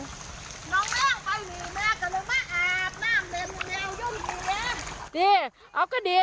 น้องนี่ไปหนีมากก็เลยมาอาบน้ำเดี๋ยว